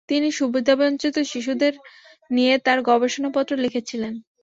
তিনি সুবিধাবঞ্চিত শিশুদের নিয়ে তার গবেষণাপত্র লিখেছিলেন।